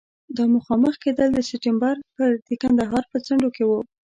دا مخامخ کېدل د سپټمبر پر د کندهار په څنډو کې وو.